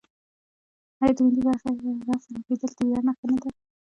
آیا د ملي بیرغ رپیدل د ویاړ نښه نه ده؟